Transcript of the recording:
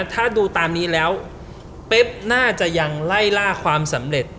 ถ้าดูตามนี้แล้วเป๊บน่าจะยังไล่ล่าความสำเร็จ